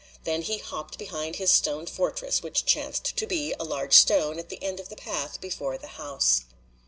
Then he hopped behind his stone fortress, which chanced to be a large stone at the end of the path before the house.